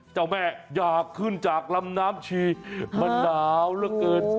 เจ้าแม่อยากขึ้นจากลำน้ำชีมันหนาวเหลือเกิน